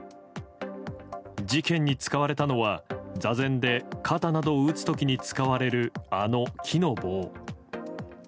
事件に使われたのは座禅で肩などを打つ時に使われるあの木の棒。